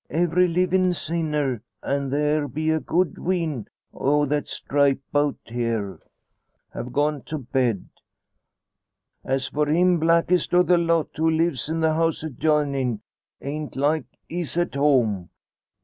Every livin' sinner an' there be a good wheen o' that stripe 'bout here have gone to bed. As for him, blackest o' the lot, who lives in the house adjoinin', ain't like he's at home.